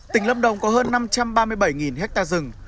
tỉnh lâm đồng có hơn năm trăm ba mươi bảy ha rừng